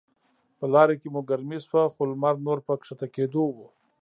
په لاره کې مو ګرمي شوه، خو لمر نور په کښته کیدو و.